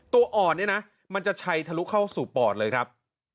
ตัวอ่อนเนี่ยนะมันจะชัยทะลุเข้าสู่ปอดเลยครับ